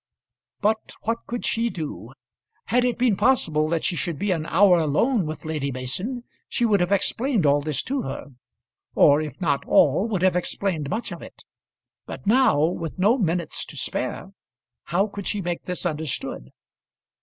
But what could she do? Had it been possible that she should be an hour alone with Lady Mason, she would have explained all this to her, or if not all, would have explained much of it. But now, with no minutes to spare, how could she make this understood?